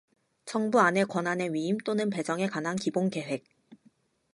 정부안의 권한의 위임 또는 배정에 관한 기본계획